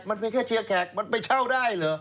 มันเป็นแค่เชียร์แขกมันไปเช่าได้เหรอ